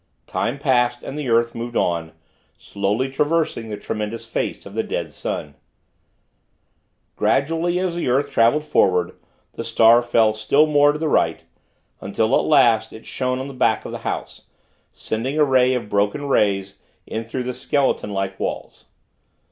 Time passed, and the earth moved on, slowly traversing the tremendous face of the dead sun." Gradually, as the earth traveled forward, the star fell still more to the right; until, at last, it shone on the back of the house, sending a flood of broken rays, in through the skeleton like walls.